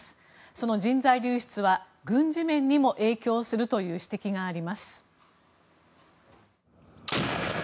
その人材流出は軍事面にも影響するという指摘があります。